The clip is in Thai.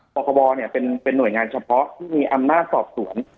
คบเป็นหน่วยงานเฉพาะที่มีอำนาจสอบสวน